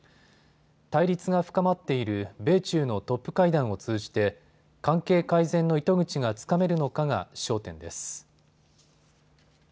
対立が深まっている米中のトップ会談を通じて関係改善の糸口がつかめるのかが焦点です。